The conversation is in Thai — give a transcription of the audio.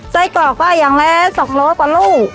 ไส้กรอกก็อย่างนั้น๒วันโลกว่าลูก